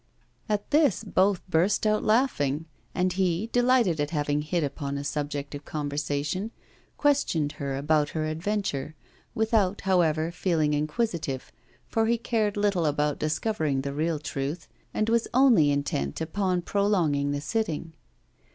At this both burst out laughing, and he, delighted at having hit upon a subject of conversation, questioned her about her adventure, without, however, feeling inquisitive, for he cared little about discovering the real truth, and was only intent upon prolonging the sitting.